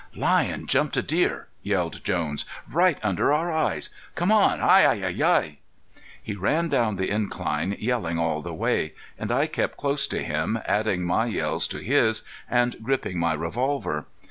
"Lion jumped a deer," yelled Jones. "Right under our eyes! Come on! Hi! Hi! Hi!" He ran down the incline yelling all of the way, and I kept close to him, adding my yells to his, and gripping my revolver.